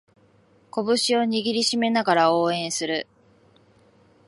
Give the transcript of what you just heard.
拳を握りしめながら応援する